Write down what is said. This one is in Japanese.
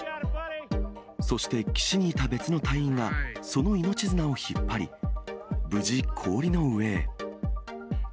そして岸にいた別の隊員が、その命綱を引っ張り、無事、氷の上へ。